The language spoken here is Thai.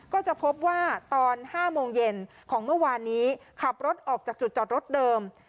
ก็จะพบว่าตอน๕โมงเย็นของเมื่อวานนี้ขับรถออกจากจุดจอดรถเดิม